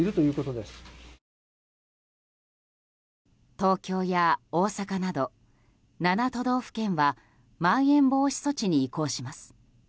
東京や大阪など７都道府県はまん延防止措置に移行します。